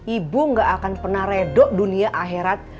ibu gak akan pernah redok dunia akhirat